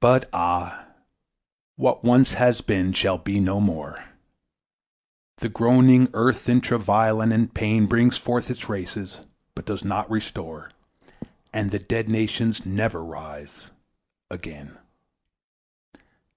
But ah! what once has been shall be no more! The groaning earth in travail and in pain Brings forth its races, but does not restore, And the dead nations never rise again.